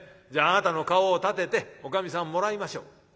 じゃああなたの顔を立てておかみさんもらいましょう。